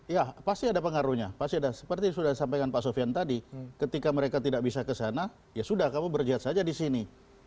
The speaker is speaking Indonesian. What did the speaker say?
ya pasti ada pengaruhnya pasti ada seperti sudah disampaikan pak sofian tadi ketika mereka tidak bisa ke sana ya sudah kamu berjiat saja di sini